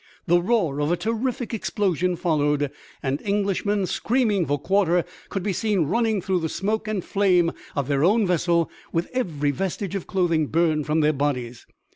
The roar of a terrific explosion followed, and Englishmen, screaming for quarter, could be seen running through the smoke and flame of their own vessel with every vestige of clothing burned from their bodies.